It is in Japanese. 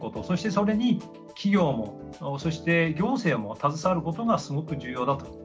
そしてそれに企業もそして行政も携わることがすごく重要だと。